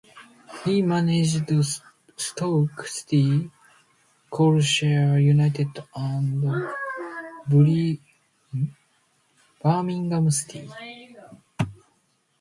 He managed Stoke City, Colchester United and Birmingham City.